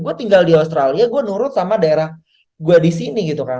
gue tinggal di australia gue nurut sama daerah gue di sini gitu kan